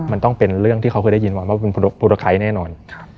มันต้องเป็นเรื่องที่เขาคือได้ยินว่ามันเป็นโปรโตไครต์แน่นอน